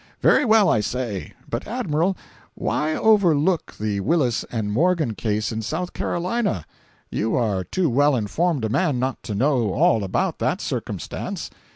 ] "Very well, I say. But Admiral, why overlook the Willis and Morgan case in South Carolina? You are too well informed a man not to know all about that circumstance.